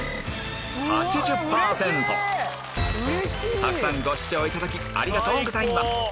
たくさんご視聴いただきありがとうございます！